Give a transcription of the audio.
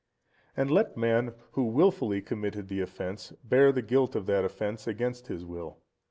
And let man, who wilfully committed the offence, bear the guilt of that offence against his will.